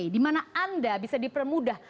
dimana anda bisa dipermudah